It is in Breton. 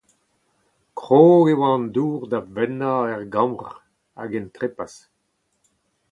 Krog e oa an dour da fennañ er gambr hag en trepas.